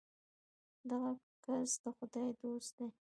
دغه کس د خدای دوست دی.